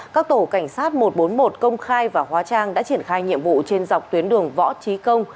các tổ cảnh sát một trăm bốn mươi một công khai và hóa trang đã triển khai nhiệm vụ trên dọc tuyến đường võ trí công